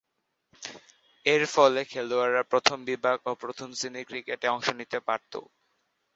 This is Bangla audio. এরফলে, খেলোয়াড়েরা প্রথম বিভাগ ও প্রথম-শ্রেণীর ক্রিকেটে অংশ নিতে পারতো।